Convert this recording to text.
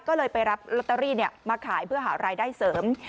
ก็เลยไปรับลอตเตอรี่มาขายเพื่อหารายได้เสริม